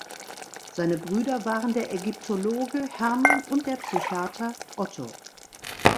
Seine Brüder waren der Ägyptologe Hermann und der Psychiater Otto.